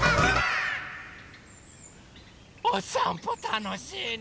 おさんぽたのしいね。